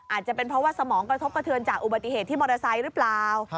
อาจจะเป็นเพราะว่าสมองกระทบกระเทือนจากอุบัติเหตุที่มอเตอร์ไซค์หรือเปล่า